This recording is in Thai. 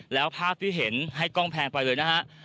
แล้วภาพที่เห็นให้กล้องแพงไปเลยนะฮะ